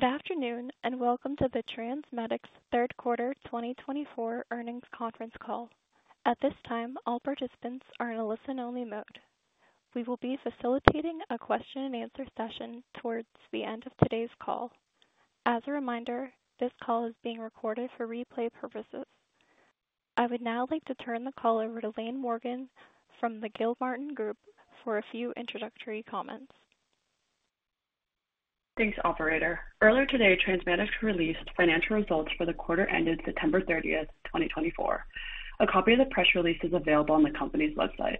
Good afternoon, and welcome to the TransMedics third quarter 2024 earnings conference call. At this time, all participants are in a listen-only mode. We will be facilitating a question and answer session towards the end of today's call. As a reminder, this call is being recorded for replay purposes. I would now like to turn the call over to Laine Morgan from the Gilmartin Group for a few introductory comments. Thanks, operator. Earlier today, TransMedics released financial results for the quarter ended September thirtieth, twenty twenty-four. A copy of the press release is available on the company's website.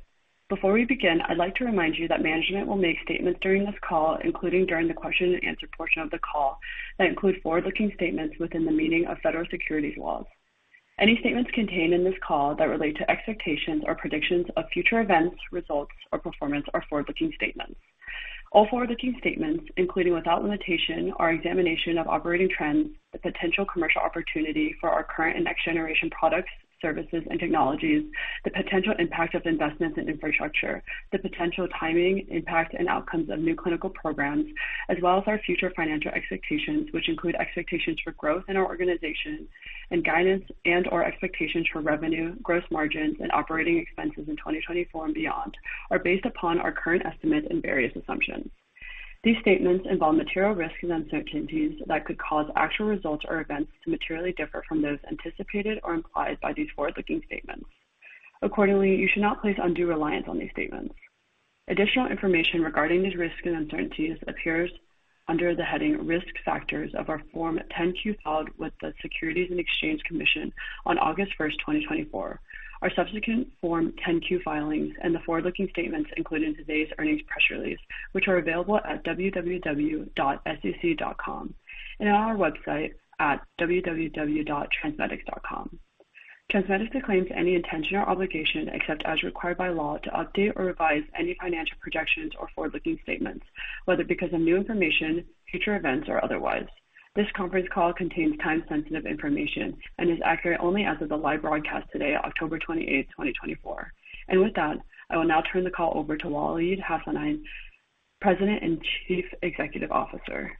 Before we begin, I'd like to remind you that management will make statements during this call, including during the question and answer portion of the call, that include forward-looking statements within the meaning of federal securities laws. Any statements contained in this call that relate to expectations or predictions of future events, results, or performance are forward-looking statements. All forward-looking statements, including, without limitation, our examination of operating trends, the potential commercial opportunity for our current and next-generation products, services, and technologies, the potential impact of investments in infrastructure, the potential timing, impact, and outcomes of new clinical programs, as well as our future financial expectations, which include expectations for growth in our organizations and guidance and/or expectations for revenue, gross margins, and operating expenses in twenty twenty-four and beyond, are based upon our current estimates and various assumptions. These statements involve material risks and uncertainties that could cause actual results or events to materially differ from those anticipated or implied by these forward-looking statements. Accordingly, you should not place undue reliance on these statements. Additional information regarding these risks and uncertainties appears under the heading Risk Factors of our Form 10-Q filed with the Securities and Exchange Commission on August first, twenty twenty-four. Our subsequent Form 10-Q filings and the forward-looking statements included in today's earnings press release, which are available at www.sec.com and on our website at www.transmedics.com. TransMedics disclaims any intention or obligation, except as required by law, to update or revise any financial projections or forward-looking statements, whether because of new information, future events, or otherwise. This conference call contains time-sensitive information and is accurate only as of the live broadcast today, October twenty-eighth, twenty twenty-four. With that, I will now turn the call over to Waleed Hassanein, President and Chief Executive Officer.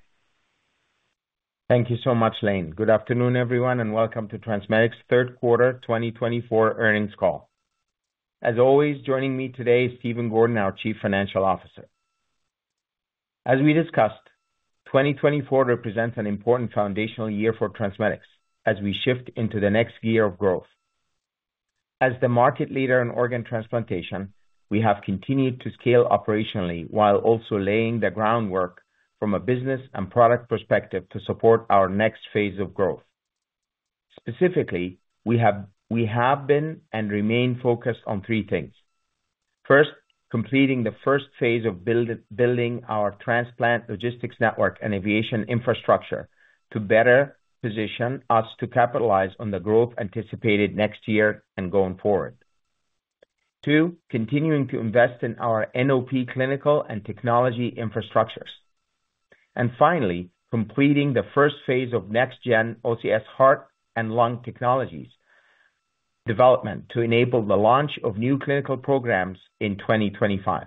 Thank you so much, Lane. Good afternoon, everyone, and welcome to TransMedics' third quarter 2024 earnings call. As always, joining me today is Stephen Gordon, our Chief Financial Officer. As we discussed, 2024 represents an important foundational year for TransMedics as we shift into the next gear of growth. As the market leader in organ transplantation, we have continued to scale operationally while also laying the groundwork from a business and product perspective to support our next phase of growth. Specifically, we have been and remain focused on three things. First, completing the first phase of building our transplant logistics network and aviation infrastructure to better position us to capitalize on the growth anticipated next year and going forward. Two, continuing to invest in our NOP clinical and technology infrastructures. And finally, completing the first phase of next-gen OCS Heart and Lung technologies development to enable the launch of new clinical programs in 2025.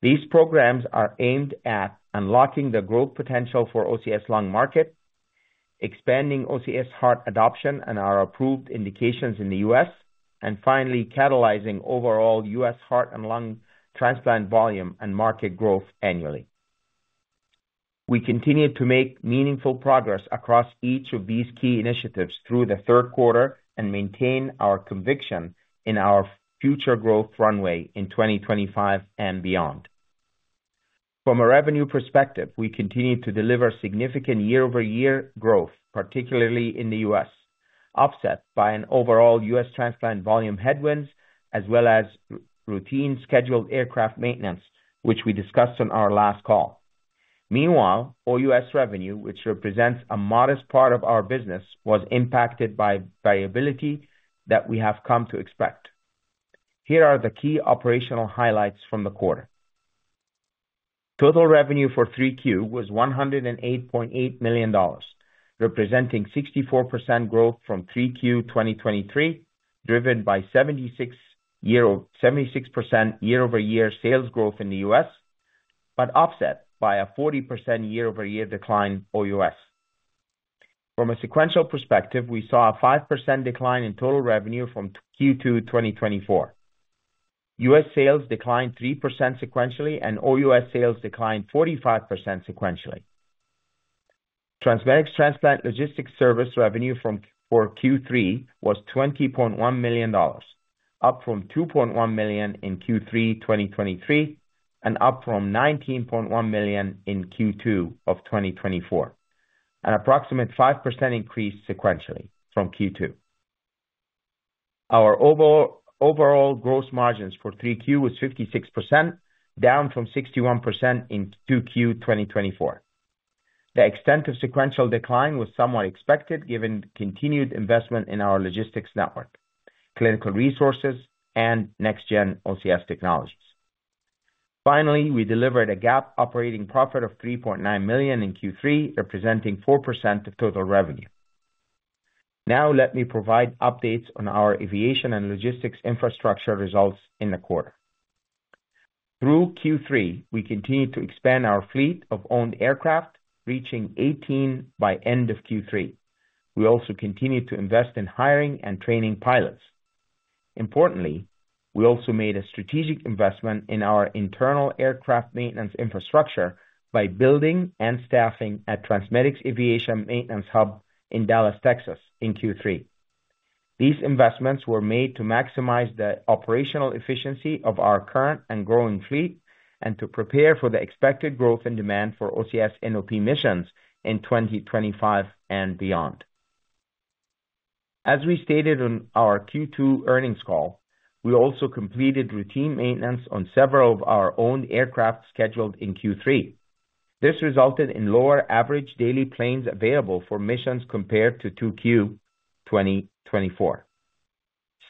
These programs are aimed at unlocking the growth potential for OCS Lung market, expanding OCS Heart adoption and our approved indications in the U.S., and finally, catalyzing overall U.S. heart and lung transplant volume and market growth annually. We continue to make meaningful progress across each of these key initiatives through the third quarter and maintain our conviction in our future growth runway in 2025 and beyond. From a revenue perspective, we continue to deliver significant year-over-year growth, particularly in the U.S., offset by an overall U.S. transplant volume headwinds, as well as routine scheduled aircraft maintenance, which we discussed on our last call. Meanwhile, OUS revenue, which represents a modest part of our business, was impacted by variability that we have come to expect. Here are the key operational highlights from the quarter. Total revenue for Q3 was $108.8 million, representing 64% growth from Q3 2023, driven by 76% year-over-year sales growth in the US, but offset by a 40% year-over-year decline OUS. From a sequential perspective, we saw a 5% decline in total revenue from Q2 2024. US sales declined 3% sequentially, and OUS sales declined 45% sequentially. TransMedics transplant logistics service revenue from, for Q3 was $20.1 million, up from $2.1 million in Q3 2023 and up from $19.1 million in Q2 of 2024, an approximate 5% increase sequentially from Q2. Our overall gross margins for Q3 was 56%, down from 61% in 2Q 2024. The extent of sequential decline was somewhat expected, given continued investment in our logistics network, clinical resources, and next-gen OCS technologies. Finally, we delivered a GAAP operating profit of $3.9 million in Q3, representing 4% of total revenue. Now, let me provide updates on our aviation and logistics infrastructure results in the quarter. Through Q3, we continued to expand our fleet of owned aircraft, reaching 18 by end of Q3. We also continued to invest in hiring and training pilots. Importantly, we also made a strategic investment in our internal aircraft maintenance infrastructure by building and staffing at TransMedics Aviation Maintenance Hub in Dallas, Texas, in Q3. These investments were made to maximize the operational efficiency of our current and growing fleet, and to prepare for the expected growth and demand for OCS NOP missions in twenty twenty-five and beyond. As we stated on our Q2 earnings call, we also completed routine maintenance on several of our own aircraft scheduled in Q3. This resulted in lower average daily planes available for missions compared to 2Q 2024.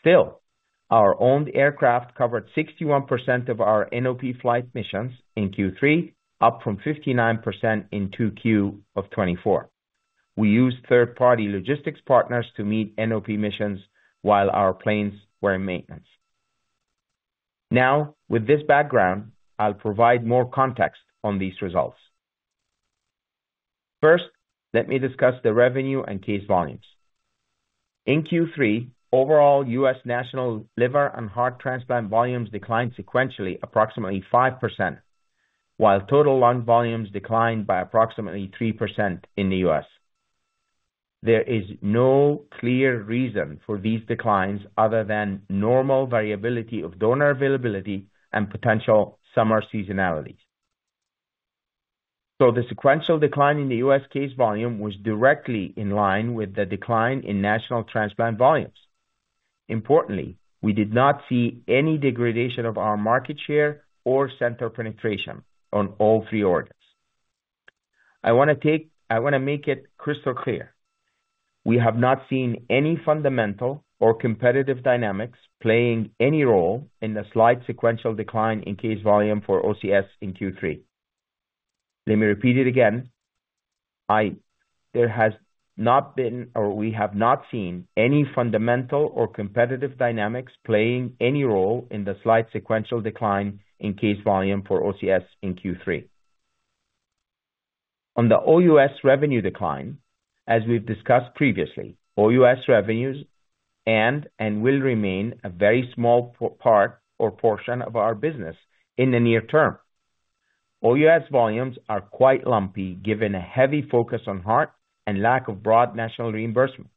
Still, our owned aircraft covered 61% of our NOP flight missions in Q3, up from 59% in 2Q of 2024. We used third-party logistics partners to meet NOP missions while our planes were in maintenance. Now, with this background, I'll provide more context on these results. First, let me discuss the revenue and case volumes. In Q3, overall, U.S. national liver and heart transplant volumes declined sequentially, approximately 5%, while total lung volumes declined by approximately 3% in the U.S. There is no clear reason for these declines other than normal variability of donor availability and potential summer seasonality. So the sequential decline in the U.S. case volume was directly in line with the decline in national transplant volumes. Importantly, we did not see any degradation of our market share or center penetration on all three organs. I wanna make it crystal clear, we have not seen any fundamental or competitive dynamics playing any role in the slight sequential decline in case volume for OCS in Q3. Let me repeat it again. I... There has not been, or we have not seen any fundamental or competitive dynamics playing any role in the slight sequential decline in case volume for OCS in Q3. On the OUS revenue decline, as we've discussed previously, OUS revenues and will remain a very small part or portion of our business in the near term. OUS volumes are quite lumpy, given a heavy focus on heart and lack of broad national reimbursement.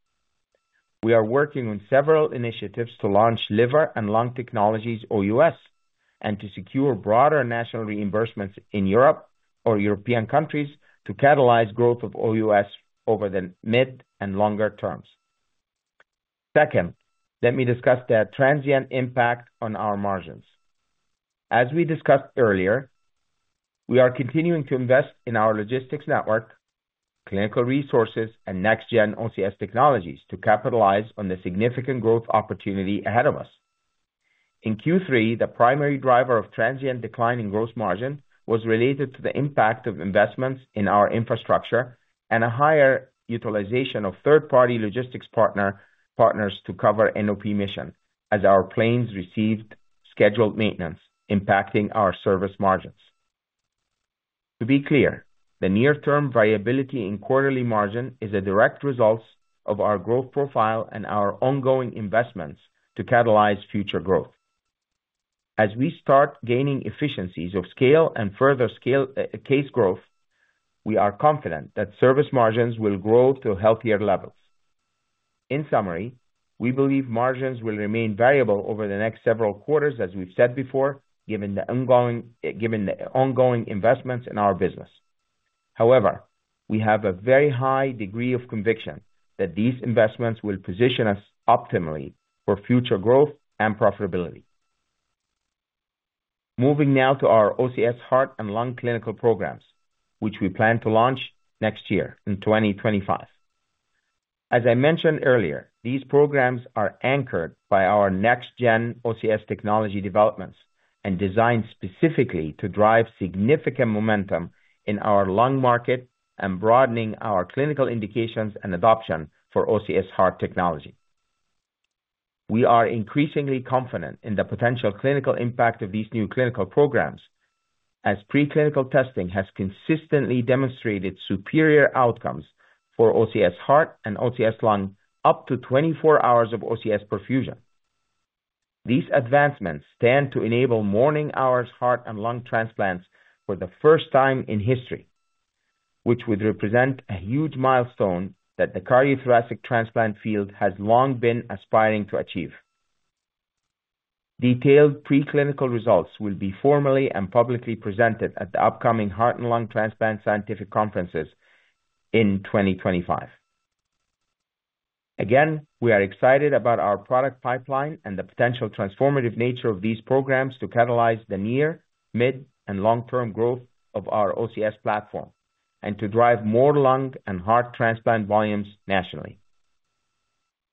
We are working on several initiatives to launch liver and lung technologies, OUS, and to secure broader national reimbursements in Europe or European countries to catalyze growth of OUS over the mid and longer terms. Second, let me discuss the transient impact on our margins. As we discussed earlier, we are continuing to invest in our logistics network, clinical resources, and next gen OCS technologies to capitalize on the significant growth opportunity ahead of us. In Q3, the primary driver of transient decline in gross margin was related to the impact of investments in our infrastructure and a higher utilization of third-party logistics partners to cover NOP mission as our planes received scheduled maintenance, impacting our service margins. To be clear, the near-term variability in quarterly margin is a direct result of our growth profile and our ongoing investments to catalyze future growth. As we start gaining efficiencies of scale and further scale case growth, we are confident that service margins will grow to healthier levels. In summary, we believe margins will remain variable over the next several quarters, as we've said before, given the ongoing investments in our business. However, we have a very high degree of conviction that these investments will position us optimally for future growth and profitability. Moving now to our OCS Heart and Lung clinical programs, which we plan to launch next year, in twenty twenty-five. As I mentioned earlier, these programs are anchored by our next gen OCS technology developments and designed specifically to drive significant momentum in our lung market and broadening our clinical indications and adoption for OCS Heart technology. We are increasingly confident in the potential clinical impact of these new clinical programs, as preclinical testing has consistently demonstrated superior outcomes for OCS Heart and OCS Lung, up to twenty-four hours of OCS perfusion. These advancements stand to enable 24-hour heart and lung transplants for the first time in history, which would represent a huge milestone that the cardiothoracic transplant field has long been aspiring to achieve. Detailed preclinical results will be formally and publicly presented at the upcoming Heart and Lung Transplant Scientific Conferences in 2025. Again, we are excited about our product pipeline and the potential transformative nature of these programs to catalyze the near, mid-, and long-term growth of our OCS platform and to drive more lung and heart transplant volumes nationally.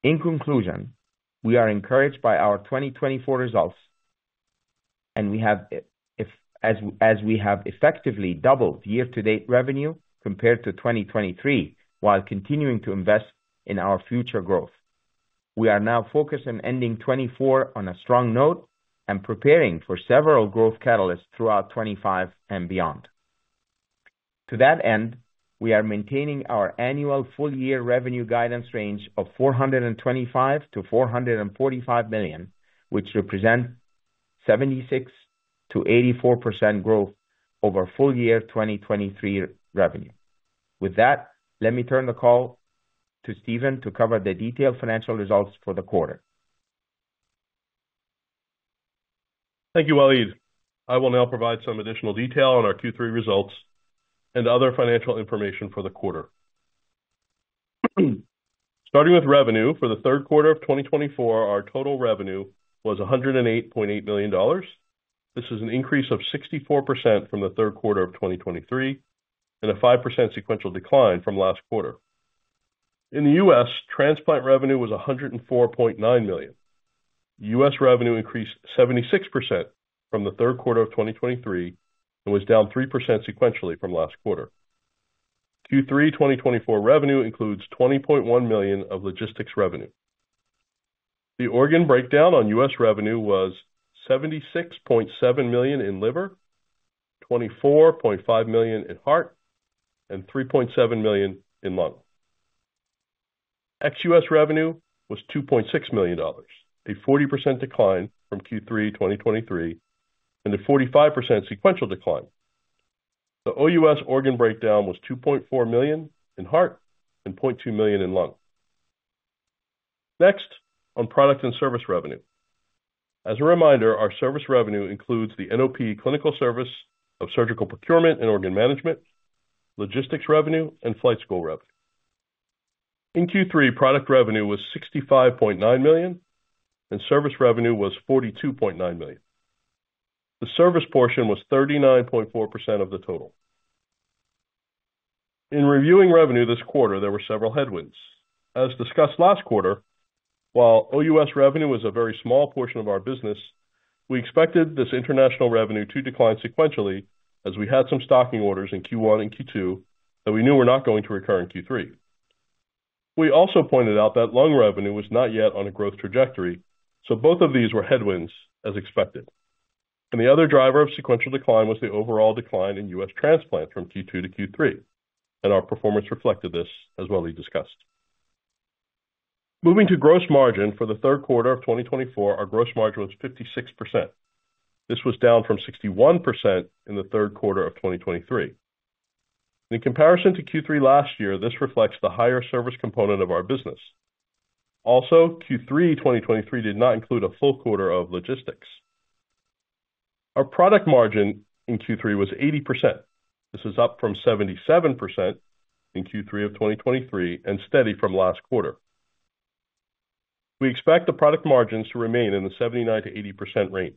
In conclusion, we are encouraged by our 2024 results, and as we have effectively doubled year-to-date revenue compared to 2023, while continuing to invest in our future growth. We are now focused on ending 2024 on a strong note and preparing for several growth catalysts throughout 2025 and beyond. To that end, we are maintaining our annual full-year revenue guidance range of $425 million-$445 million, which represents 76%-84% growth over full-year 2023 revenue. With that, let me turn the call to Stephen to cover the detailed financial results for the quarter. Thank you, Waleed. I will now provide some additional detail on our Q3 results and other financial information for the quarter. Starting with revenue, for the third quarter of twenty twenty-four, our total revenue was $108.8 million. This is an increase of 64% from the third quarter of twenty twenty-three, and a 5% sequential decline from last quarter. In the U.S., transplant revenue was $104.9 million. U.S. revenue increased 76% from the third quarter of twenty twenty-three, and was down 3% sequentially from last quarter. Q3 twenty twenty-four revenue includes $20.1 million of logistics revenue. The organ breakdown on U.S. revenue was $76.7 million in liver, $24.5 million in heart, and $3.7 million in lung. Ex-US revenue was $2.6 million, a 40% decline from Q3 2023 and a 45% sequential decline. The OUS organ breakdown was $2.4 million in heart and $0.2 million in lung. Next, on product and service revenue. As a reminder, our service revenue includes the NOP clinical service of surgical procurement and organ management, logistics revenue, and flight school revenue. In Q3, product revenue was $65.9 million, and service revenue was $42.9 million. The service portion was 39.4% of the total. In reviewing revenue this quarter, there were several headwinds. As discussed last quarter, while OUS revenue was a very small portion of our business, we expected this international revenue to decline sequentially as we had some stocking orders in Q1 and Q2 that we knew were not going to recur in Q3. We also pointed out that lung revenue was not yet on a growth trajectory, so both of these were headwinds, as expected, and the other driver of sequential decline was the overall decline in U.S. transplant from Q2 to Q3, and our performance reflected this as Waleed discussed. Moving to gross margin for the third quarter of 2024, our gross margin was 56%. This was down from 61% in the third quarter of 2023. In comparison to Q3 last year, this reflects the higher service component of our business. Also, Q3 2023 did not include a full quarter of logistics. Our product margin in Q3 was 80%. This is up from 77% in Q3 of 2023 and steady from last quarter. We expect the product margins to remain in the 79%-80% range.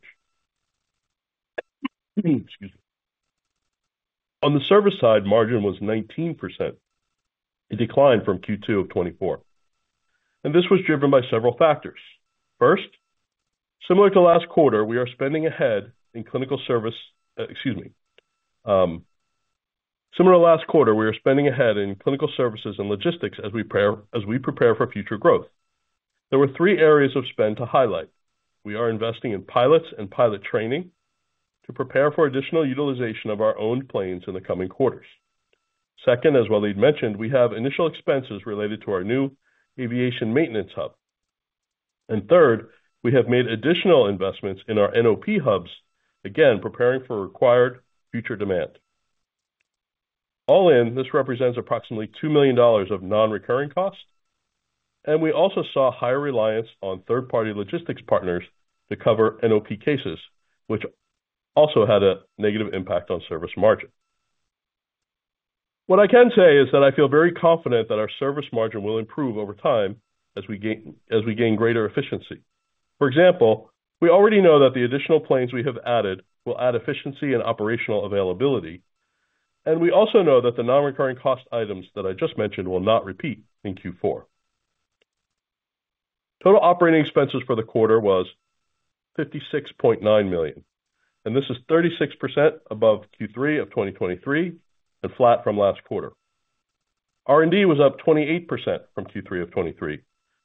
Excuse me. On the service side, margin was 19%. It declined from Q2 of 2024, and this was driven by several factors. First, similar to last quarter, we are spending ahead in clinical services and logistics as we prepare for future growth. There were three areas of spend to highlight. We are investing in pilots and pilot training to prepare for additional utilization of our own planes in the coming quarters. Second, as Waleed mentioned, we have initial expenses related to our new aviation maintenance hub. And third, we have made additional investments in our NOP hubs, again, preparing for required future demand. All in, this represents approximately $2 million of non-recurring costs, and we also saw higher reliance on third-party logistics partners to cover NOP cases, which also had a negative impact on service margin. What I can say is that I feel very confident that our service margin will improve over time as we gain, as we gain greater efficiency. For example, we already know that the additional planes we have added will add efficiency and operational availability, and we also know that the non-recurring cost items that I just mentioned will not repeat in Q4. Total operating expenses for the quarter was $56.9 million, and this is 36% above Q3 of 2023 and flat from last quarter. R&D was up 28% from Q3 of 2023,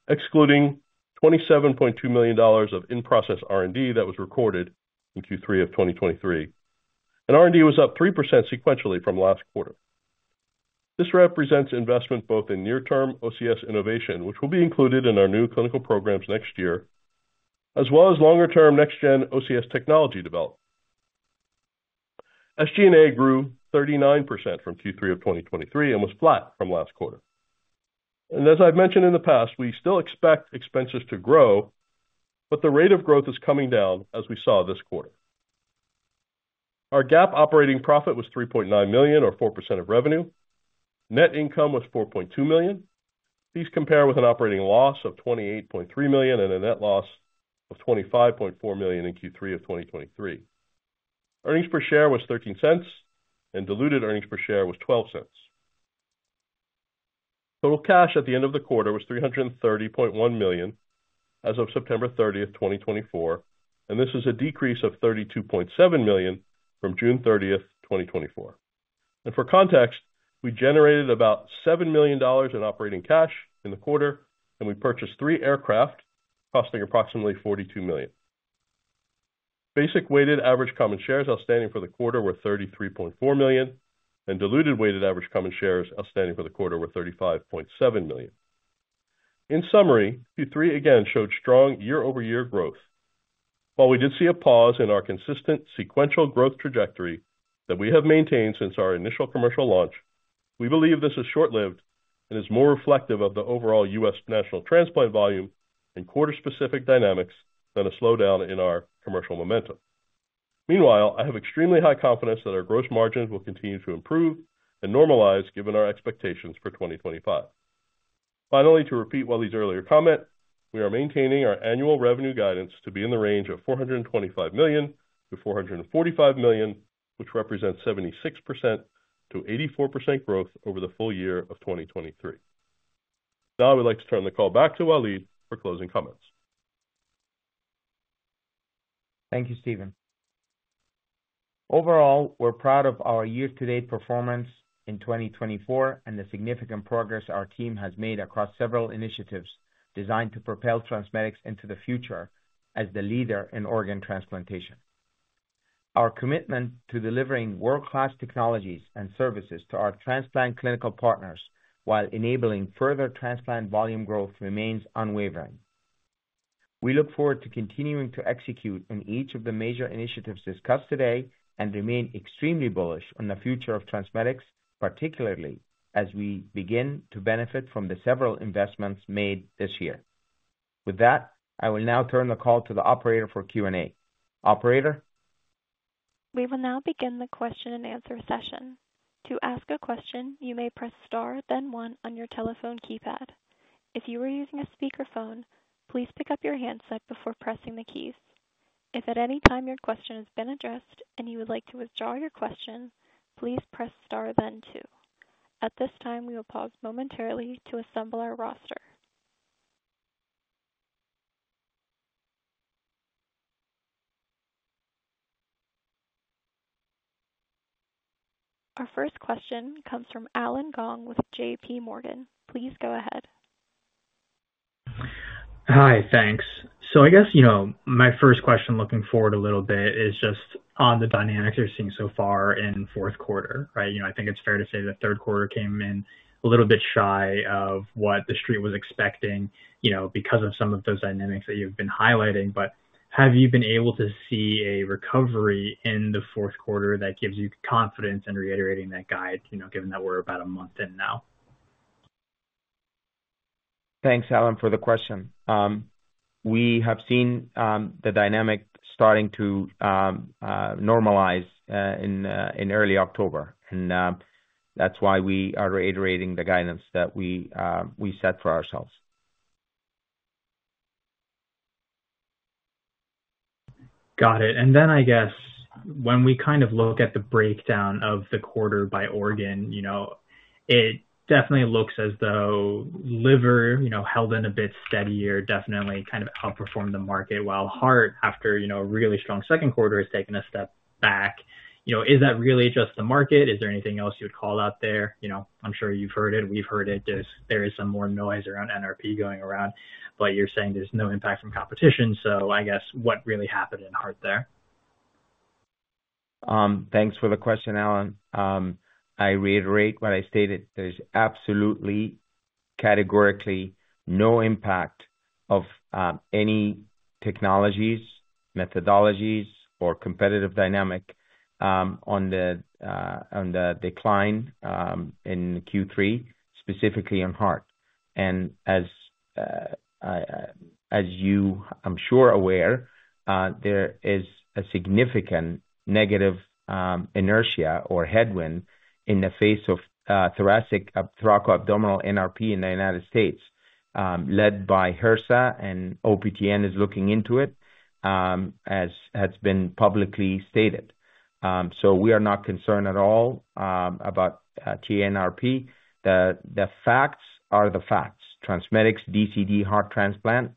excluding $27.2 million of in-process R&D that was recorded in Q3 of 2023. R&D was up 3% sequentially from last quarter. This represents investment both in near-term OCS innovation, which will be included in our new clinical programs next year, as well as longer-term next-gen OCS technology development. SG&A grew 39% from Q3 of 2023 and was flat from last quarter. As I've mentioned in the past, we still expect expenses to grow, but the rate of growth is coming down as we saw this quarter. Our GAAP operating profit was $3.9 million, or 4% of revenue. Net income was $4.2 million. These compare with an operating loss of $28.3 million and a net loss of $25.4 million in Q3 of 2023. Earnings per share was $0.13, and diluted earnings per share was $0.12. Total cash at the end of the quarter was $330.1 million as of September 30th, 2024, and this is a decrease of $32.7 million from June 30th, 2024. And for context, we generated about $7 million in operating cash in the quarter, and we purchased three aircraft costing approximately $42 million. Basic weighted average common shares outstanding for the quarter were 33.4 million, and diluted weighted average common shares outstanding for the quarter were 35.7 million. In summary, Q3 again showed strong year-over-year growth. While we did see a pause in our consistent sequential growth trajectory that we have maintained since our initial commercial launch, we believe this is short-lived and is more reflective of the overall U.S. national transplant volume and quarter-specific dynamics than a slowdown in our commercial momentum. Meanwhile, I have extremely high confidence that our gross margins will continue to improve and normalize given our expectations for 2025. Finally, to repeat Waleed's earlier comment, we are maintaining our annual revenue guidance to be in the range of $425 million-$445 million, which represents 76%-84% growth over the full year of 2023. Now, I would like to turn the call back to Waleed for closing comments. Thank you, Stephen. Overall, we're proud of our year-to-date performance in twenty twenty-four and the significant progress our team has made across several initiatives designed to propel TransMedics into the future as the leader in organ transplantation. Our commitment to delivering world-class technologies and services to our transplant clinical partners while enabling further transplant volume growth remains unwavering. We look forward to continuing to execute on each of the major initiatives discussed today and remain extremely bullish on the future of TransMedics, particularly as we begin to benefit from the several investments made this year. With that, I will now turn the call to the operator for Q&A. Operator? We will now begin the question-and-answer session. To ask a question, you may press star then one on your telephone keypad. If you are using a speakerphone, please pick up your handset before pressing the keys. If at any time your question has been addressed and you would like to withdraw your question, please press Star then two. At this time, we will pause momentarily to assemble our roster. Our first question comes from Allen Gong with JPMorgan. Please go ahead. Hi, thanks. So I guess, you know, my first question looking forward a little bit is just on the dynamics you're seeing so far in fourth quarter, right? You know, I think it's fair to say the third quarter came in a little bit shy of what the street was expecting, you know, because of some of those dynamics that you've been highlighting. But have you been able to see a recovery in the fourth quarter that gives you confidence in reiterating that guide, you know, given that we're about a month in now? Thanks, Allen, for the question. We have seen the dynamic starting to normalize in early October, and that's why we are reiterating the guidance that we set for ourselves. Got it. And then I guess when we kind of look at the breakdown of the quarter by organ, you know, it definitely looks as though liver, you know, held in a bit steadier, definitely kind of outperformed the market, while heart, after, you know, a really strong second quarter, has taken a step back. You know, is that really just the market? Is there anything else you would call out there? You know, I'm sure you've heard it. We've heard it. There is some more noise around NRP going around, but you're saying there's no impact from competition, so I guess what really happened in heart there? Thanks for the question, Allen. I reiterate what I stated. There's absolutely, categorically, no impact of any technologies, methodologies or competitive dynamic on the decline in Q3, specifically in heart, and as you're, I'm sure, aware, there is a significant negative inertia or headwind in the face of thoracic, thoracoabdominal NRP in the United States, led by HRSA and OPTN is looking into it, as has been publicly stated. We are not concerned at all about Thoracic NRP. The facts are the facts. TransMedics DCD heart transplant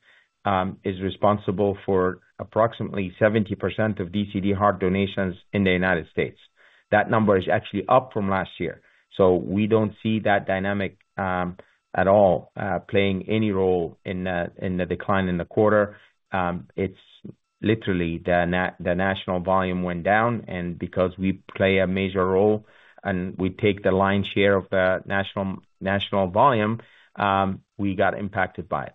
is responsible for approximately 70% of DCD heart donations in the United States. That number is actually up from last year, so we don't see that dynamic at all playing any role in the decline in the quarter. It's literally the national volume went down, and because we play a major role and we take the lion's share of the national volume, we got impacted by it.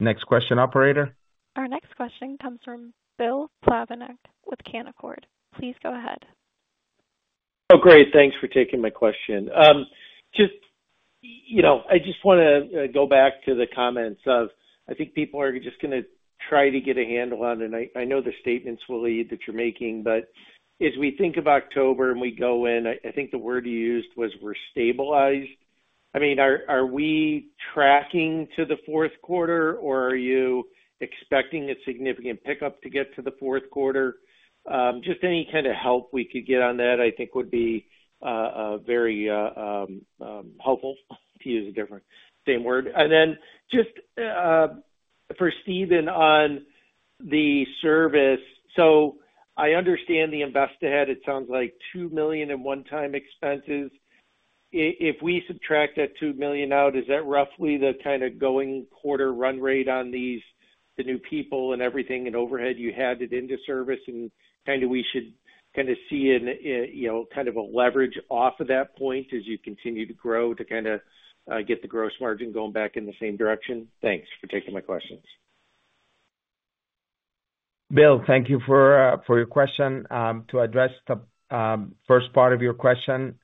Next question, operator. Our next question comes from Bill Plovanic with Canaccord. Please go ahead. Oh, great. Thanks for taking my question. Just, you know, I just wanna go back to the comments of I think people are just gonna try to get a handle on, and I know the statements, Waleed, that you're making, but as we think of October and we go in, I think the word you used was we're stabilized. ... I mean, are we tracking to the fourth quarter, or are you expecting a significant pickup to get to the fourth quarter? Just any kind of help we could get on that, I think would be very helpful. Then just for Steven on the service. So I understand the Invest Ahead, it sounds like $2 million in one-time expenses. If we subtract that $2 million out, is that roughly the kind of going quarter run rate on these, the new people and everything and overhead you had it into service, and kind of we should kind of see an, you know, kind of a leverage off of that point as you continue to grow to kind of get the gross margin going back in the same direction? Thanks for taking my questions. Bill, thank you for your question. To address the first part of your question,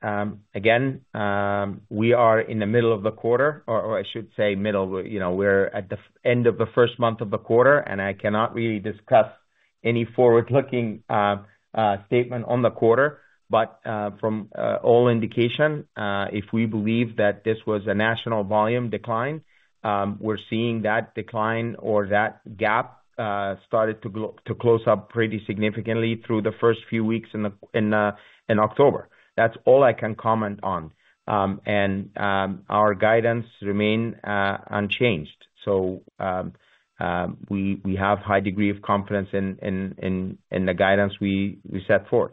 again, we are in the middle of the quarter, or I should say, middle, you know, we're at the end of the first month of the quarter, and I cannot really discuss any forward-looking statement on the quarter. But from all indication, if we believe that this was a national volume decline, we're seeing that decline or that gap started to close up pretty significantly through the first few weeks in October. That's all I can comment on. And our guidance remain unchanged. So we have high degree of confidence in the guidance we set forth.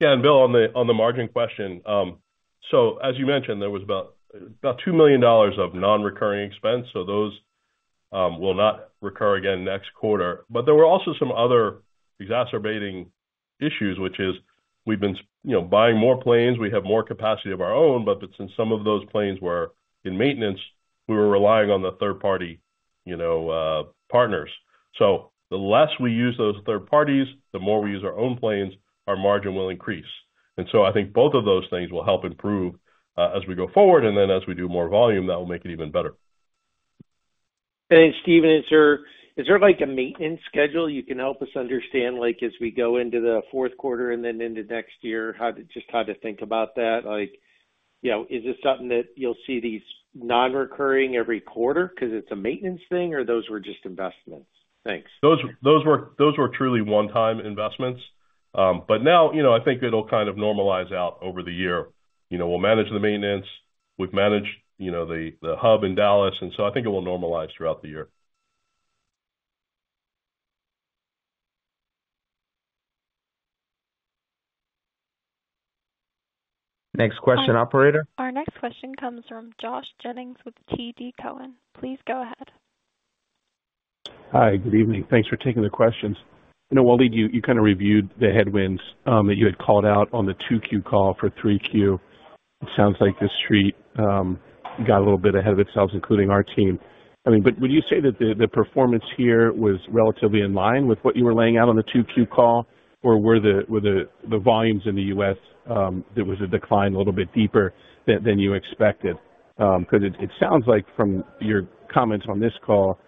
Yeah, and Bill, on the margin question, so as you mentioned, there was about $2 million of non-recurring expense, so those will not recur again next quarter. But there were also some other exacerbating issues, which is we've been, you know, buying more planes. We have more capacity of our own, but since some of those planes were in maintenance, we were relying on the third party, you know, partners. So the less we use those third parties, the more we use our own planes, our margin will increase. And so I think both of those things will help improve, as we go forward, and then as we do more volume, that will make it even better. And then, Stephen, is there, like, a maintenance schedule you can help us understand, like, as we go into the fourth quarter and then into next year, just how to think about that? Like, you know, is this something that you'll see these non-recurring every quarter because it's a maintenance thing, or those were just investments? Thanks. Those were truly one-time investments. But now, you know, I think it'll kind of normalize out over the year. You know, we'll manage the maintenance. We've managed, you know, the hub in Dallas, and so I think it will normalize throughout the year. Next question, operator? Our next question comes from Josh Jennings with TD Cowen. Please go ahead. Hi, good evening. Thanks for taking the questions. You know, Waleed, you kind of reviewed the headwinds that you had called out on the 2Q call for 3Q. It sounds like the Street got a little bit ahead of itself, including our team. I mean, but would you say that the performance here was relatively in line with what you were laying out on the 2Q call, or were the volumes in the U.S. there was a decline a little bit deeper than you expected? Because it sounds like from your comments on this call,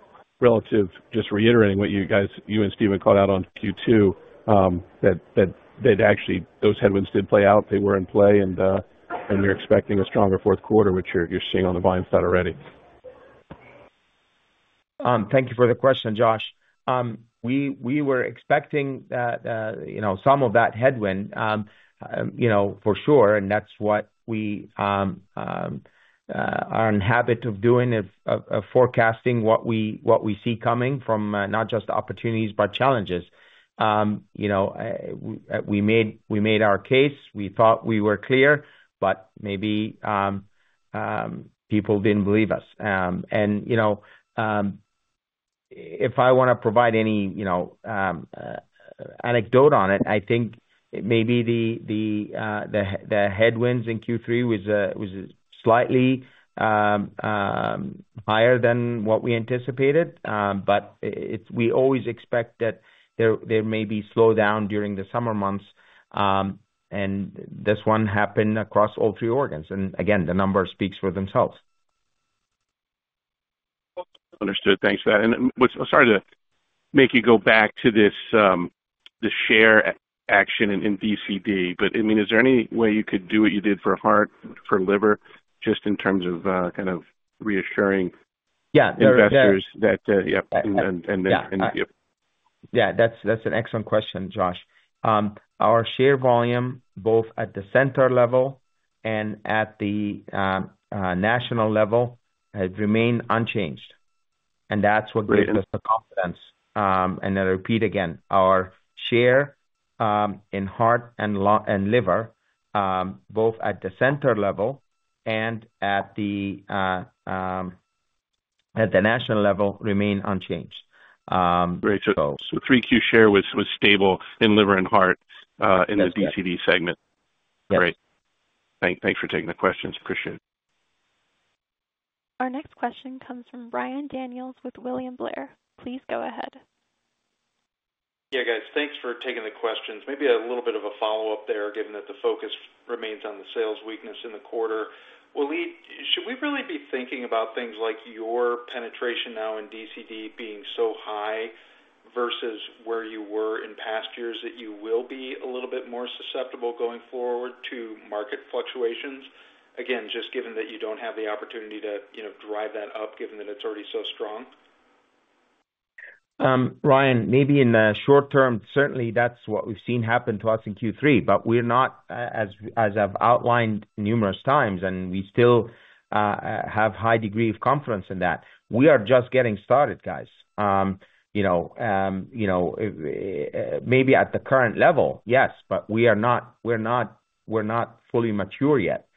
relatively, just reiterating what you guys, you and Stephen called out on Q2, that actually those headwinds did play out, they were in play, and you're expecting a stronger fourth quarter, which you're seeing on the volume side already. Thank you for the question, Josh. We were expecting that, you know, some of that headwind, you know, for sure, and that's what we are in habit of doing, of forecasting what we see coming from, not just opportunities, but challenges. You know, we made our case. We thought we were clear, but maybe people didn't believe us. You know, if I want to provide any, you know, anecdote on it, I think maybe the headwinds in Q3 was slightly higher than what we anticipated. But we always expect that there may be slowdown during the summer months, and this one happened across all three organs, and again, the numbers speaks for themselves. Understood. Thanks for that. And what... Sorry to make you go back to this, the share of action in DCD, but, I mean, is there any way you could do what you did for heart, for liver, just in terms of, kind of reassuring- Yeah. investors that, yeah, and then, yep. Yeah, that's, that's an excellent question, Josh. Our share volume, both at the center level and at the national level, has remained unchanged, and that's what gives us the confidence. And I repeat again, our share in heart and lung and liver, both at the center level and at the national level, remain unchanged. So- Great. So three Q share was stable in liver and heart. That's right. in the DCD segment? Yes. Great. Thanks for taking the questions. Appreciate it. Our next question comes from Ryan Daniels with William Blair. Please go ahead. Yeah, guys, thanks for taking the questions. Maybe a little bit of a follow-up there, given that the focus remains on the sales weakness in the quarter. Waleed, should we really be thinking about things like your penetration now in DCD being so high?... versus where you were in past years, that you will be a little bit more susceptible going forward to market fluctuations? Again, just given that you don't have the opportunity to, you know, drive that up, given that it's already so strong. Ryan, maybe in the short term, certainly that's what we've seen happen to us in Q3, but we're not, as I've outlined numerous times, and we still have high degree of confidence in that. We are just getting started, guys. You know, maybe at the current level, yes, but we are not fully mature yet.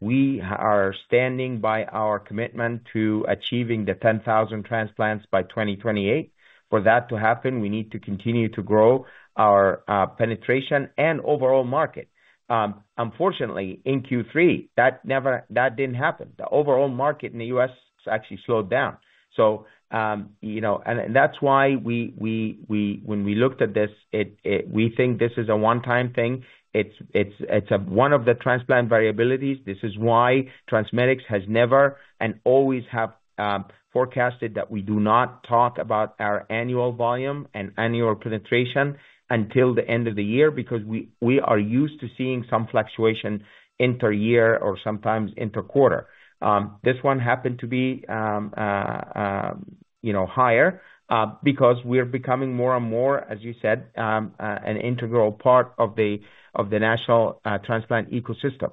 We are standing by our commitment to achieving the ten thousand transplants by 2028. For that to happen, we need to continue to grow our penetration and overall market. Unfortunately, in Q3, that didn't happen. The overall market in the U.S. actually slowed down, you know, and that's why we, when we looked at this, we think this is a one-time thing. It's one of the transplant variabilities. This is why TransMedics has never and always have forecasted that we do not talk about our annual volume and annual penetration until the end of the year, because we are used to seeing some fluctuation inter year or sometimes inter quarter. This one happened to be you know higher because we're becoming more and more, as you said, an integral part of the national transplant ecosystem.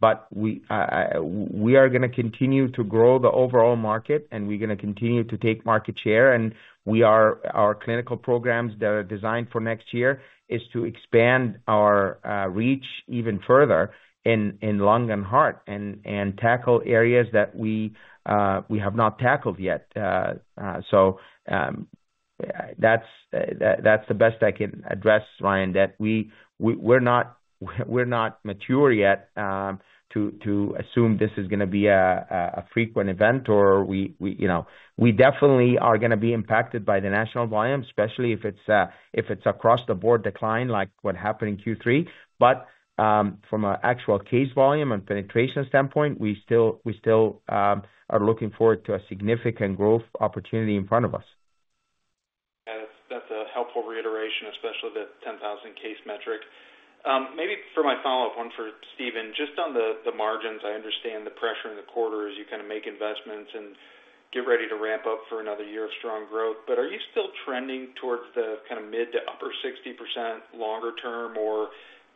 But we are gonna continue to grow the overall market, and we're gonna continue to take market share. And our clinical programs that are designed for next year is to expand our reach even further in lung and heart, and tackle areas that we have not tackled yet. That's the best I can address, Ryan, that we're not mature yet to assume this is gonna be a frequent event or we you know. We definitely are gonna be impacted by the national volume, especially if it's across the board decline, like what happened in Q3. But from an actual case volume and penetration standpoint, we still are looking forward to a significant growth opportunity in front of us. Yeah, that's a helpful reiteration, especially the ten thousand case metric. Maybe for my follow-up one for Stephen, just on the margins. I understand the pressure in the quarter as you kinda make investments and get ready to ramp up for another year of strong growth, but are you still trending towards the kind of mid- to upper-60% longer term, or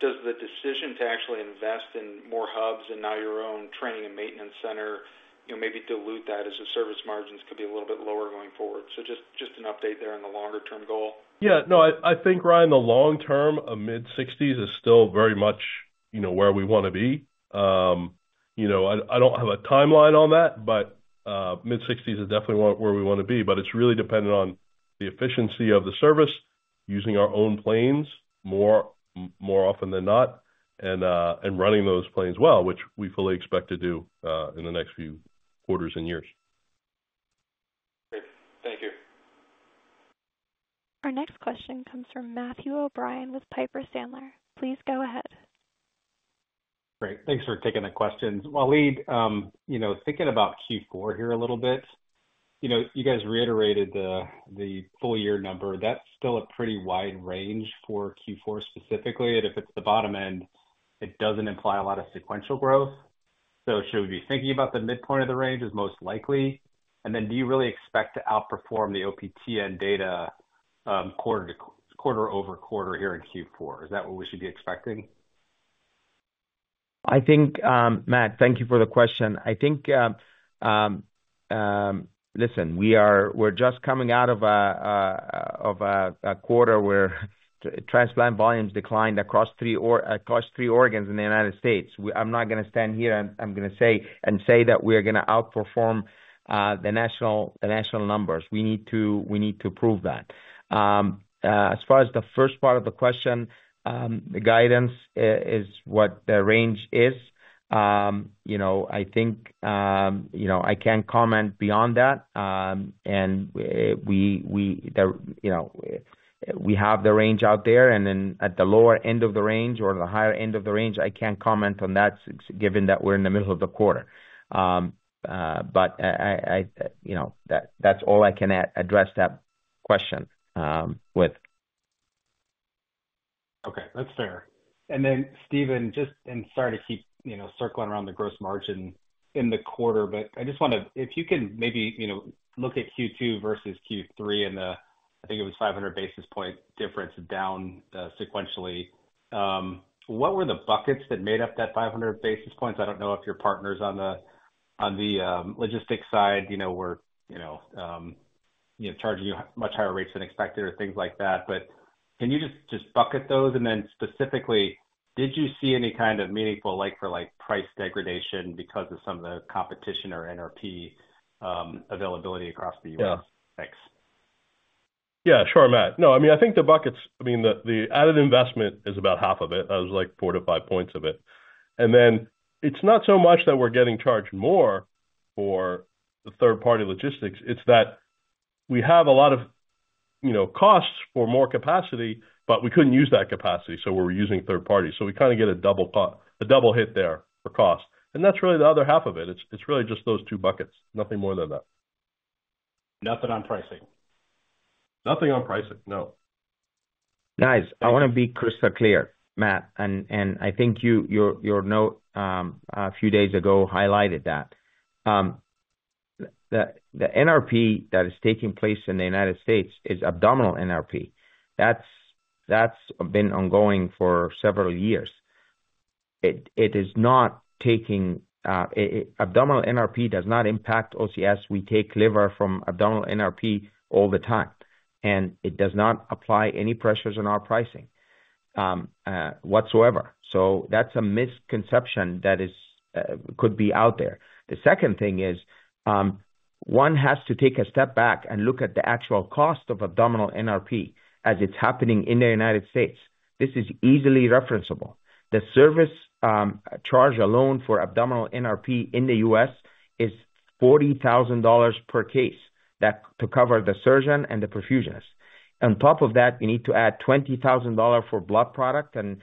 does the decision to actually invest in more hubs and now your own training and maintenance center, you know, maybe dilute that as the service margins could be a little bit lower going forward? So just an update there on the longer term goal. Yeah. No, I think, Ryan, the long term, a mid-sixties is still very much, you know, where we wanna be. You know, I don't have a timeline on that, but mid-sixties is definitely where we wanna be. But it's really dependent on the efficiency of the service, using our own planes more often than not, and running those planes well, which we fully expect to do in the next few quarters and years. Great. Thank you. Our next question comes from Matthew O'Brien with Piper Sandler. Please go ahead. Great. Thanks for taking the questions. Waleed, you know, thinking about Q4 here a little bit, you know, you guys reiterated the, the full year number. That's still a pretty wide range for Q4 specifically, and if it's the bottom end, it doesn't imply a lot of sequential growth. So should we be thinking about the midpoint of the range as most likely? And then do you really expect to outperform the OPTN data, quarter-over-quarter here in Q4? Is that what we should be expecting? I think, Matt, thank you for the question. I think, listen, we're just coming out of a quarter where transplant volumes declined across three organs in the United States. I'm not gonna stand here, and I'm gonna say that we are gonna outperform the national numbers. We need to prove that. As far as the first part of the question, the guidance is what the range is. You know, I think, you know, I can't comment beyond that. You know, we have the range out there, and then at the lower end of the range or the higher end of the range, I can't comment on that, given that we're in the middle of the quarter. But you know, that's all I can address that question with. Okay, that's fair. And then, Stephen, just and sorry to keep, you know, circling around the gross margin in the quarter, but I just wanted. If you can maybe, you know, look at Q2 versus Q3, and the, I think it was five hundred basis point difference down, sequentially. What were the buckets that made up that five hundred basis points? I don't know if your partners on the logistics side, you know, were, you know, charging you much higher rates than expected or things like that. But can you just bucket those? And then specifically, did you see any kind of meaningful, like-for-like price degradation because of some of the competition or NRP availability across the U.S.? Yeah. Thanks. Yeah, sure, Matt. No, I mean, I think the buckets, I mean, the added investment is about half of it. That was like four to five points of it. And then it's not so much that we're getting charged more for the third-party logistics, it's that we have a lot of, you know, costs for more capacity, but we couldn't use that capacity, so we're using third party. So we kind of get a double, a double hit there for cost, and that's really the other half of it. It's really just those two buckets, nothing more than that. Nothing on pricing? Nothing on pricing, no. Guys, I wanna be crystal clear, Matt, and I think your note a few days ago highlighted that. The NRP that is taking place in the United States is abdominal NRP. That's been ongoing for several years. Abdominal NRP does not impact OCS. We take liver from abdominal NRP all the time, and it does not apply any pressures on our pricing whatsoever. So that's a misconception that could be out there. The second thing is, one has to take a step back and look at the actual cost of abdominal NRP as it's happening in the United States. This is easily referenceable. The service charge alone for abdominal NRP in the U.S. is $40,000 per case, that to cover the surgeon and the perfusionist. On top of that, you need to add $20,000 for blood product and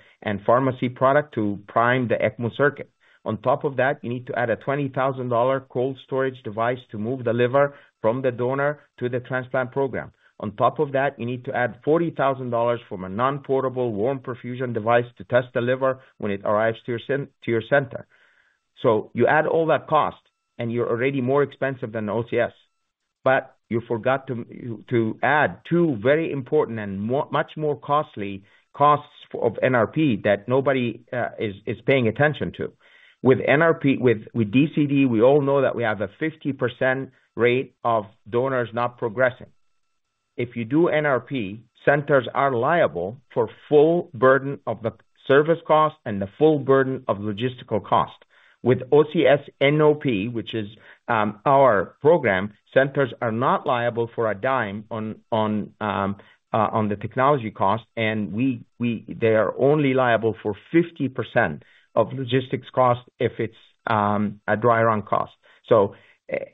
pharmacy product to prime the ECMO circuit. On top of that, you need to add a $20,000 cold storage device to move the liver from the donor to the transplant program. On top of that, you need to add $40,000 from a non-portable warm perfusion device to test the liver when it arrives to your center. So you add all that cost, and you're already more expensive than OCS, but you forgot to add two very important and much more costly costs of NRP that nobody is paying attention to. With NRP. With DCD, we all know that we have a 50% rate of donors not progressing. If you do NRP, centers are liable for full burden of the service cost and the full burden of logistical cost. With OCS NOP, which is our program, centers are not liable for a dime on the technology cost, and they are only liable for 50% of logistics cost if it's a dry run cost. So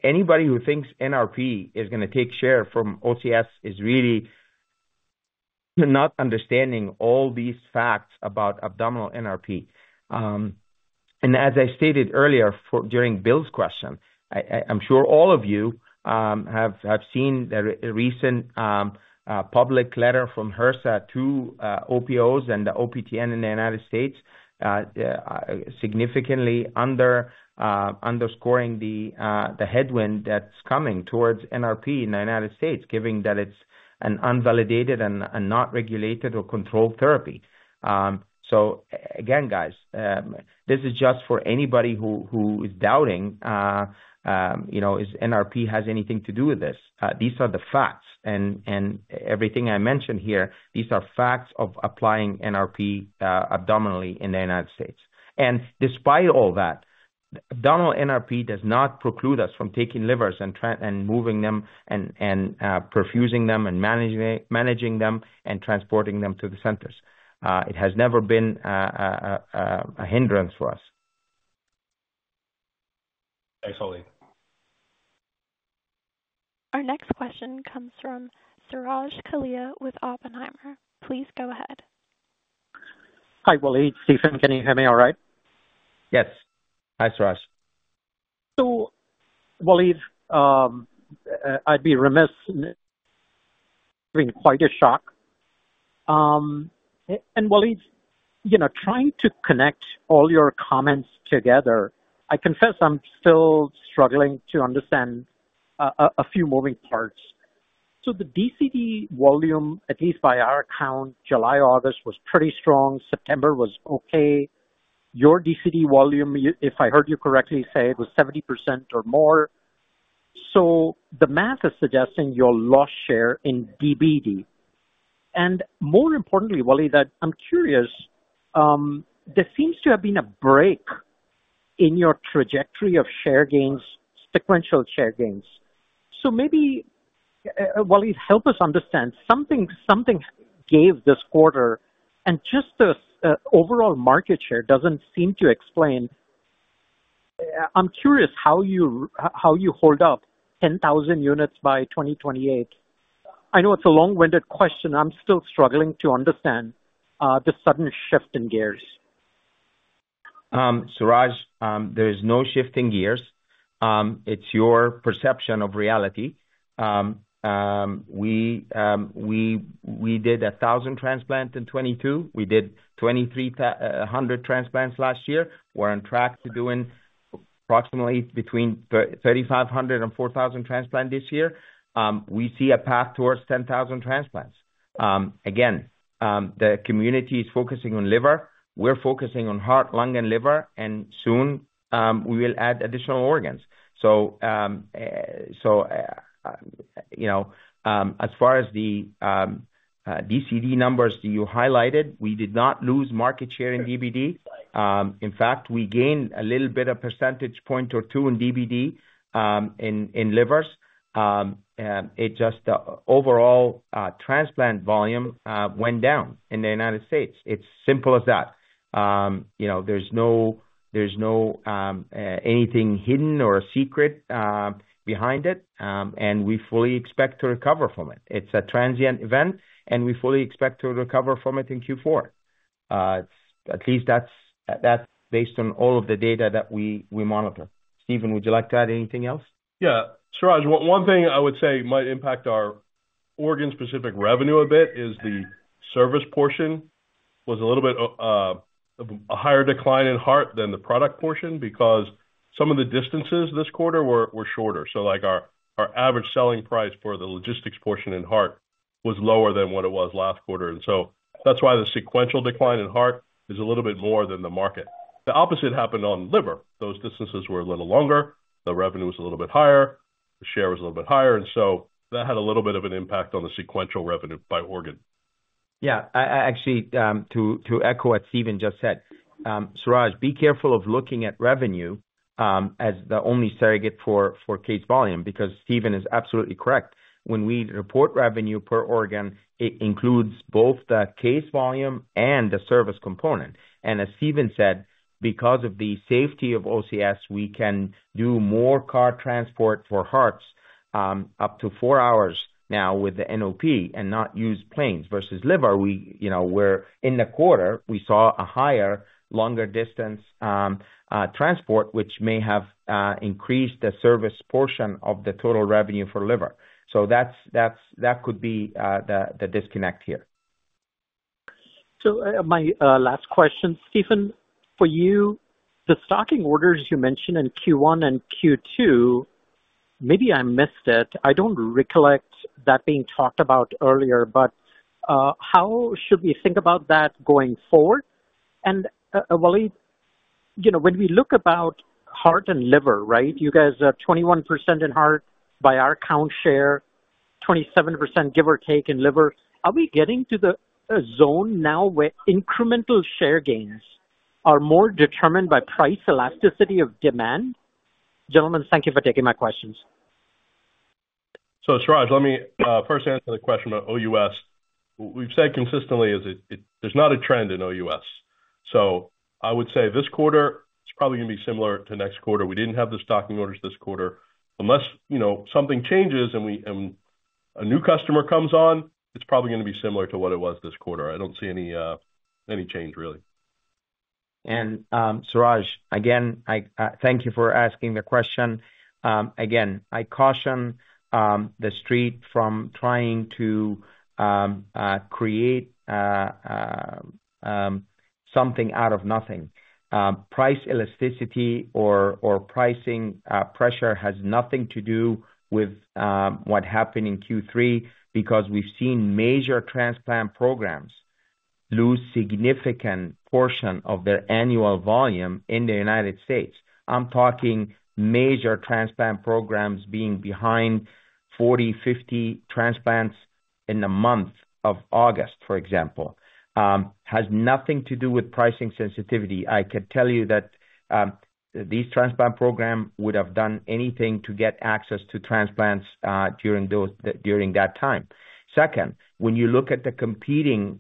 anybody who thinks NRP is gonna take share from OCS is really not understanding all these facts about abdominal NRP. And as I stated earlier, during Bill's question, I'm sure all of you have seen the recent public letter from HRSA to OPOs and the OPTN in the United States, significantly underscoring the headwind that's coming towards NRP in the United States, given that it's an unvalidated and not regulated or controlled therapy. So again, guys, this is just for anybody who is doubting, you know, if NRP has anything to do with this. These are the facts and everything I mentioned here, these are facts of applying NRP abdominally in the United States. Despite all that, Abdominal NRP does not preclude us from taking livers and moving them, perfusing them, managing them, and transporting them to the centers. It has never been a hindrance for us. Thanks, Waleed. Our next question comes from Suraj Kalia with Oppenheimer. Please go ahead. Hi, Waleed. Stephen, can you hear me all right? Yes. Hi, Suraj. Waleed, I'd be remiss if I didn't ask. Waleed, you know, trying to connect all your comments together, I confess I'm still struggling to understand a few moving parts. The DCD volume, at least by our count, July, August was pretty strong, September was okay. Your DCD volume, you if I heard you correctly say it was 70% or more. The math is suggesting you all lost share in DBD. More importantly, Waleed, that I'm curious, there seems to have been a break in your trajectory of share gains, sequential share gains. Maybe Waleed, help us understand. Something gave this quarter, and just the overall market share doesn't seem to explain. I'm curious how you hold up 10,000 units by 2028. I know it's a long-winded question. I'm still struggling to understand the sudden shift in gears. Suraj, there is no shift in gears. It's your perception of reality. We did a thousand transplants in 2022. We did twenty-three hundred transplants last year. We're on track to doing approximately between thirty-five hundred and four thousand transplant this year. We see a path towards ten thousand transplants. Again, the community is focusing on liver. We're focusing on heart, lung, and liver, and soon, we will add additional organs. So, you know, as far as the DCD numbers you highlighted, we did not lose market share in DBD. In fact, we gained a little bit of percentage point or two in DBD, in livers. It's just the overall transplant volume went down in the United States. It's simple as that. You know, there's no anything hidden or a secret behind it, and we fully expect to recover from it. It's a transient event, and we fully expect to recover from it in Q4. At least that's based on all of the data that we monitor. Stephen, would you like to add anything else? Yeah. Suraj, one thing I would say might impact our organ-specific revenue a bit is the service portion was a little bit a higher decline in heart than the product portion, because some of the distances this quarter were shorter. So like our average selling price for the logistics portion in heart was lower than what it was last quarter, and so that's why the sequential decline in heart is a little bit more than the market. The opposite happened on liver. Those distances were a little longer, the revenue was a little bit higher, the share was a little bit higher, and so that had a little bit of an impact on the sequential revenue by organ. Yeah, actually, to echo what Stephen just said, Suraj, be careful of looking at revenue as the only surrogate for case volume, because Stephen is absolutely correct. When we report revenue per organ, it includes both the case volume and the service component. And as Stephen said, because of the safety of OCS, we can do more car transport for hearts up to four hours now with the NOP and not use planes versus liver. We, you know, we're in the quarter, we saw a higher longer distance transport, which may have increased the service portion of the total revenue for liver. So that's that could be the disconnect here. So, my last question, Stephen, for you, the stocking orders you mentioned in Q1 and Q2, maybe I missed it. I don't recollect that being talked about earlier, but how should we think about that going forward? And, Waleed, you know, when we look about heart and liver, right, you guys are 21% in heart by our count share, 27%, give or take, in liver. Are we getting to the zone now where incremental share gains are more determined by price elasticity of demand? Gentlemen, thank you for taking my questions. So, Suraj, let me first answer the question about OUS. We've said consistently is it, there's not a trend in OUS. So I would say this quarter it's probably gonna be similar to next quarter. We didn't have the stocking orders this quarter. Unless, you know, something changes and a new customer comes on, it's probably gonna be similar to what it was this quarter. I don't see any change, really. And, Suraj, again, I thank you for asking the question. Again, I caution the Street from trying to create something out of nothing. Price elasticity or pricing pressure has nothing to do with what happened in Q3, because we've seen major transplant programs lose significant portion of their annual volume in the United States. I'm talking major transplant programs being behind forty, fifty transplants in the month of August, for example. Has nothing to do with pricing sensitivity. I can tell you that these transplant program would have done anything to get access to transplants during those, during that time. Second, when you look at the competing,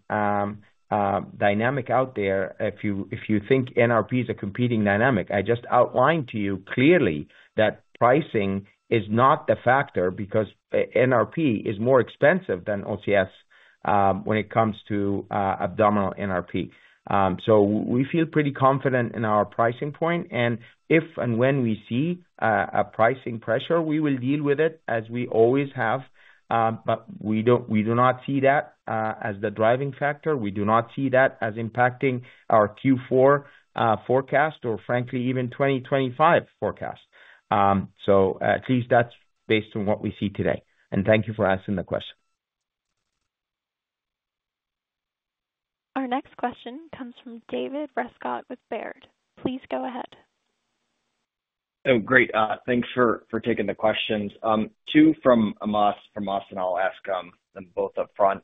dynamic out there, if you, if you think NRP is a competing dynamic, I just outlined to you clearly that pricing is not the factor because NRP is more expensive than OCS, when it comes to, Abdominal NRP. So we feel pretty confident in our pricing point, and if and when we see, a pricing pressure, we will deal with it as we always have. But we don't, we do not see that, as the driving factor. We do not see that as impacting our Q4, forecast or frankly, even 2025 forecast. So at least that's based on what we see today, and thank you for asking the question. Our next question comes from David Rescott with Baird. Please go ahead. Oh, great. Thanks for taking the questions. Two from us, and I'll ask them both up front.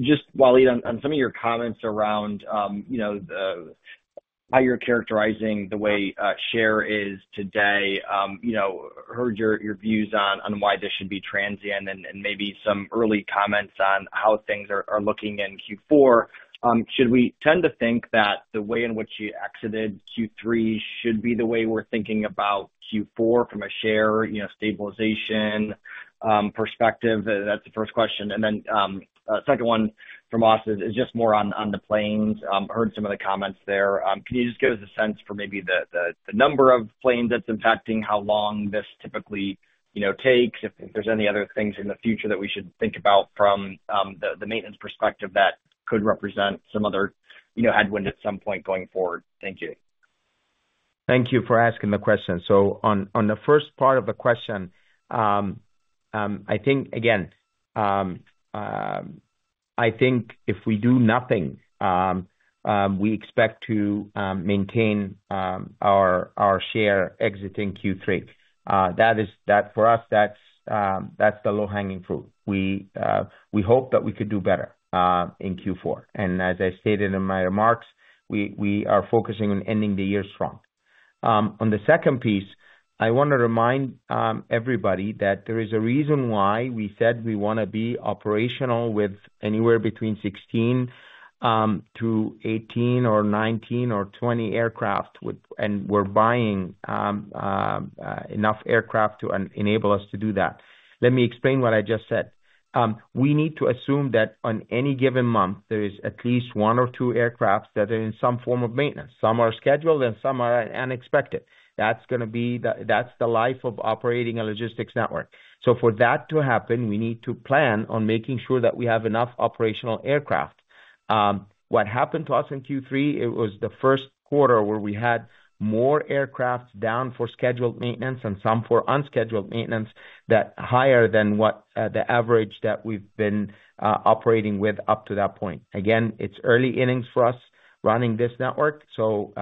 Just Waleed, on some of your comments around, you know, how you're characterizing the way share is today. You know, heard your views on why this should be transient and maybe some early comments on how things are looking in Q4. Should we tend to think that the way in which you exited Q3 should be the way we're thinking about Q4 from a share, you know, stabilization perspective? That's the first question. And then, second one from us is just more on the planes. Heard some of the comments there. Can you just give us a sense for maybe the number of planes that's impacting, how long this typically, you know, takes, if there's any other things in the future that we should think about from the maintenance perspective that could represent some other, you know, headwind at some point going forward? Thank you. Thank you for asking the question. So on the first part of the question, I think, again, I think if we do nothing, we expect to maintain our share exiting Q3. That is, for us, that's the low-hanging fruit. We hope that we could do better in Q4. And as I stated in my remarks, we are focusing on ending the year strong. On the second piece, I want to remind everybody that there is a reason why we said we wanna be operational with anywhere between 16 to 18 or 19 or 20 aircraft, with and we're buying enough aircraft to enable us to do that. Let me explain what I just said. We need to assume that on any given month, there is at least one or two aircraft that are in some form of maintenance. Some are scheduled and some are unexpected. That's gonna be the, that's the life of operating a logistics network. So for that to happen, we need to plan on making sure that we have enough operational aircraft. What happened to us in Q3. It was the first quarter where we had more aircraft down for scheduled maintenance and some for unscheduled maintenance, that higher than what, the average that we've been operating with up to that point. Again, it's early innings for us running this network, so,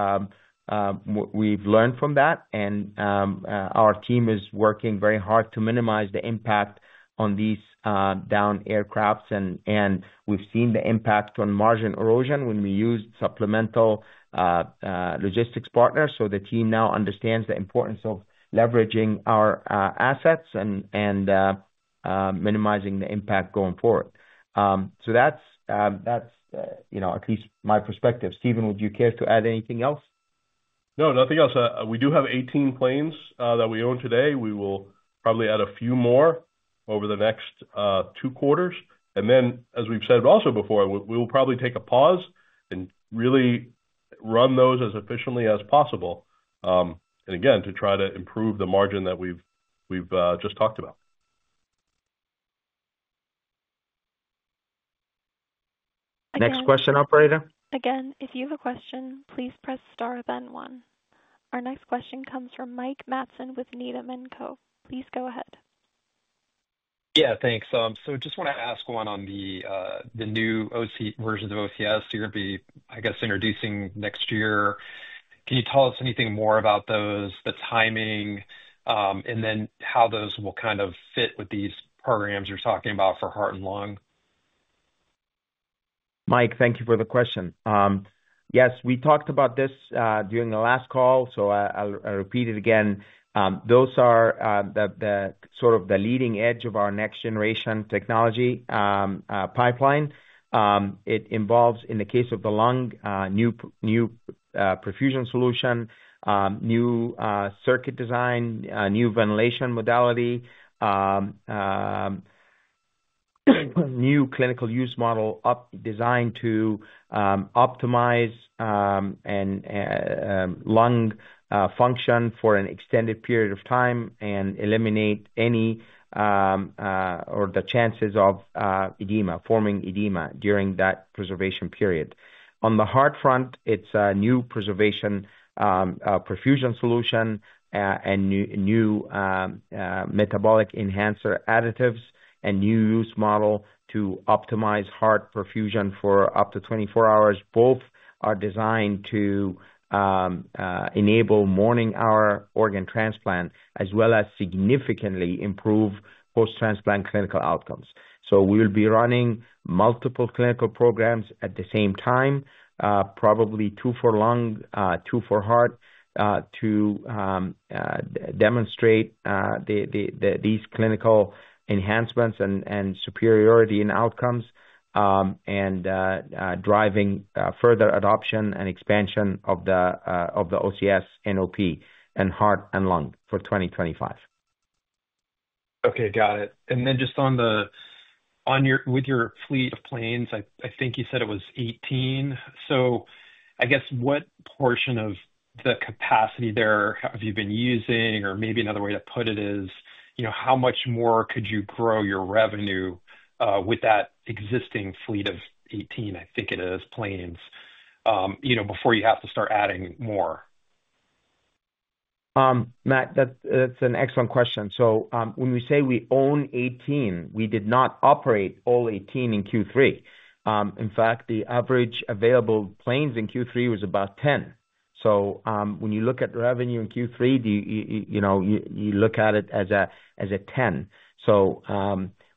we've learned from that, and, our team is working very hard to minimize the impact on these, down aircrafts. We've seen the impact on margin erosion when we used supplemental logistics partners. So the team now understands the importance of leveraging our assets and minimizing the impact going forward. So that's, you know, at least my perspective. Stephen, would you care to add anything else? No, nothing else. We do have 18 planes that we own today. We will probably add a few more over the next two quarters. And then, as we've said also before, we will probably take a pause and really run those as efficiently as possible. And again, to try to improve the margin that we've just talked about. Next question, operator. Again, if you have a question, please press star, then one. Our next question comes from Mike Matson with Needham & Company. Please go ahead. Yeah, thanks. So just wanna ask one on the, the new OCS versions of OCS you're gonna be, I guess, introducing next year. Can you tell us anything more about those, the timing, and then how those will kind of fit with these programs you're talking about for heart and lung? Mike, thank you for the question. Yes, we talked about this during the last call, so I'll repeat it again. Those are the sort of the leading edge of our next generation technology pipeline. It involves, in the case of the lung, new perfusion solution, new circuit design, new ventilation modality, new clinical use model designed to optimize and lung function for an extended period of time and eliminate any of the chances of edema forming during that preservation period. On the heart front, it's a new preservation perfusion solution, and new metabolic enhancer additives and new use model to optimize heart perfusion for up to twenty-four hours. Both are designed to enable morning hour organ transplant, as well as significantly improve post-transplant clinical outcomes. So we'll be running multiple clinical programs at the same time, probably two for lung, two for heart, to demonstrate these clinical enhancements and superiority in outcomes, and driving further adoption and expansion of the OCS NOP and heart and lung for 2025. Okay, got it. And then just on your fleet of planes, I think you said it was eighteen. So I guess, what portion of the capacity there have you been using? Or maybe another way to put it is, you know, how much more could you grow your revenue with that existing fleet of eighteen, I think it is, planes, you know, before you have to start adding more? Matt, that's an excellent question. So, when we say we own 18, we did not operate all 18 in Q3. In fact, the average available planes in Q3 was about 10. So, when you look at revenue in Q3, do you know, you look at it as a 10. So,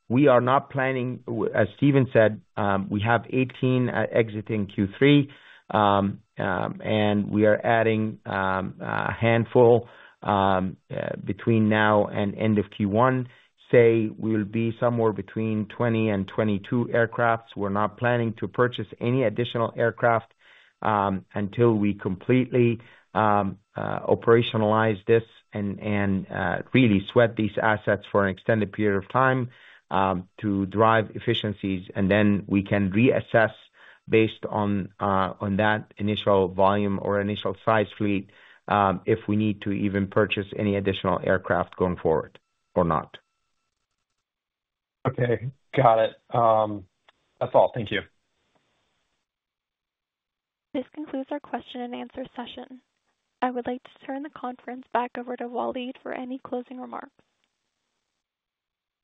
we are not planning. As Stephen said, we have 18 exiting Q3, and we are adding a handful between now and end of Q1. Say we'll be somewhere between 20 and 22 aircraft. We're not planning to purchase any additional aircraft until we completely operationalize this and really sweat these assets for an extended period of time to drive efficiencies. And then we can reassess based on that initial volume or initial size fleet, if we need to even purchase any additional aircraft going forward or not. Okay, got it. That's all. Thank you. This concludes our question and answer session. I would like to turn the conference back over to Waleed for any closing remarks.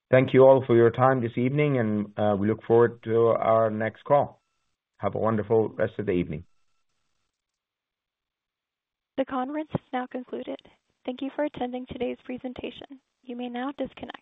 Thank you all for your time this evening, and, we look forward to our next call. Have a wonderful rest of the evening. The conference is now concluded. Thank you for attending today's presentation. You may now disconnect.